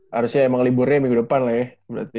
harusnya emang liburnya minggu depan lah ya berarti ya